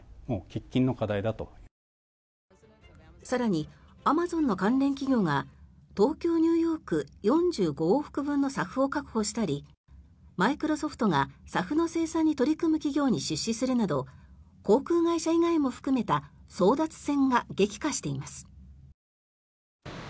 更にアマゾンの関連企業が東京ニューヨーク４５往復分のＳＡＦを確保したりマイクロソフトがＳＡＦの生産に取り組む企業に出資するなど航空会社以外も含めた争奪戦が激化しています。